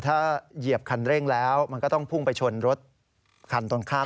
ถ้าเหยียบคันเร่งแล้วมันก็ต้องพุ่งไปชนรถคันตรงข้าม